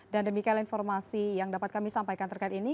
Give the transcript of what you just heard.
dan demikianlah informasi yang dapat kami sampaikan terkait ini